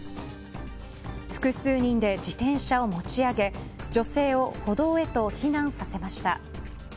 複数人で自転車を持ち上げ女性を歩道へと避難させました。